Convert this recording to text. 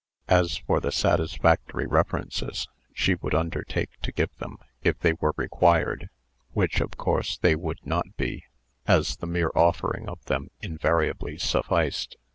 As for the satisfactory references, she would undertake to give them, if they were required which, of course, they would not be, as the mere offering of them invariably sufficed.